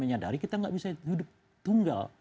bersatu karena kita menyadari kita gak bisa hidup tunggal